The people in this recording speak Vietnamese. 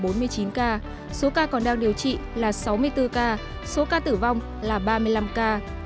số ca còn đang điều trị là sáu mươi bốn ca số ca tử vong là ba mươi năm ca